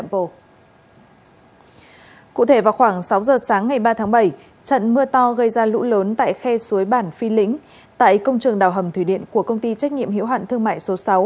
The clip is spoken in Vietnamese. mưa to gây ra lũ lớn tại khe suối bản phi lĩnh tại công trường đào hầm thủy điện của công ty trách nhiệm hiệu hoạn thương mại số sáu